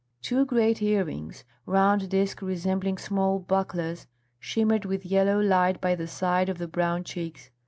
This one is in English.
Two great earrings, round discs resembling small bucklers, shimmered with yellow light by the side of the brown cheeks.